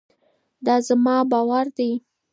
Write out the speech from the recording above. دا زما باور دی.